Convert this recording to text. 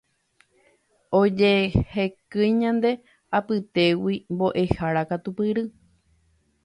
ojehekýi ñande apytégui mbo'ehára katupyry